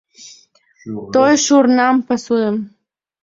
Той шурнан пасуэм!